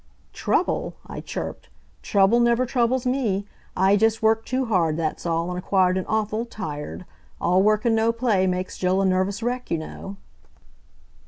"Trouble!" I chirped. "Trouble never troubles me. I just worked too hard, that's all, and acquired an awful 'tired.' All work and no play makes Jill a nervous wreck, you know."